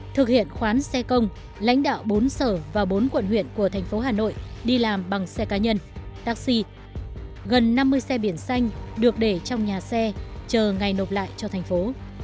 thực hiện khoán xe công lãnh đạo bốn sở và bốn quận huyện của thành phố hà nội đi làm bằng xe cá nhân taxi gần năm mươi xe biển xanh được để trong nhà xe chờ ngày nộp lại cho thành phố